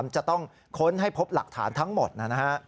จะต้องค้นให้พบหลักฐานทั้งหมดนะฮะ